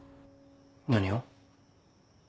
何を？